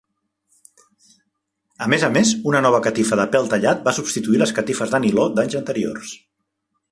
A més a més, una nova catifa de pel tallat va substituir les catifes de niló d'anys anteriors.